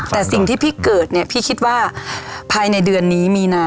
แต่สิ่งที่พี่เกิดเนี่ยพี่คิดว่าภายในเดือนนี้มีนา